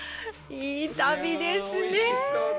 いい旅ですね。